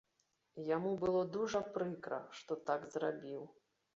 Яму было дужа прыкра, што так зрабіў.